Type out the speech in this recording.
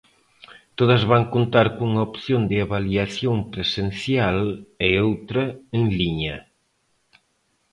Todas van contar cunha opción de avaliación presencial e outra en liña.